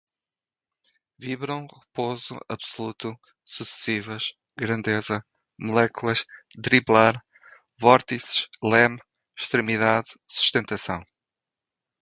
vibram, repouso, absoluto, sucessivas, grandeza, moléculas, driblar, vórtices, leme, extremidade, sustentação